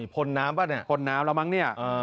พลน้ำป่ะเนี่ยพลน้ำแล้วมั้งเนี่ย